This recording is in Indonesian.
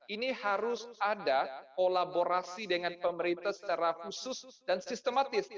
ini harus ada kolaborasi dengan pemerintah secara khusus dan sistematis